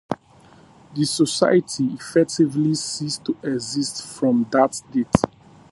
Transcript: The society effectively ceased to exist from that date.